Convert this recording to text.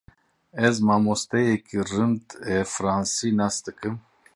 Ez mamosteyekî rind ê fransî nas dikim.